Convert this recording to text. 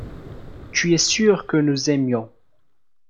Tu es sûr que nous aimions.